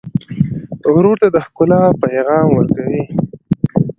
ورور ته د ښکلا پیغام ورکوې.